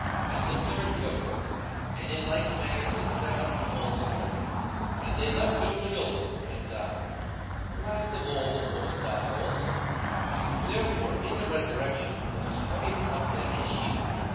42:020:031 And the third took her; and in like manner the seven also: and they left no children, and died. 42:020:032 Last of all the woman died also. 42:020:033 Therefore in the resurrection whose wife of them is she?